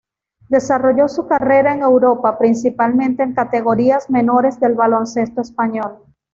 Desarrolló su carrera en Europa, principalmente en categorías menores del baloncesto español.